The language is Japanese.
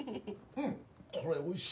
うんこれおいしい。